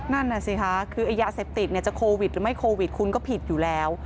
นั่นน่ะสิคะคือไอ้ยาเสพติดจะโควิดหรือไม่โควิดคุณก็ผิดอยู่แล้ว